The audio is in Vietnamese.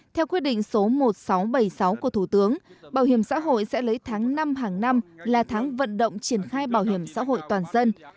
theo quyết định số một nghìn sáu trăm bảy mươi sáu của thủ tướng bảo hiểm xã hội sẽ lấy tháng năm hàng năm là tháng vận động triển khai bảo hiểm xã hội toàn dân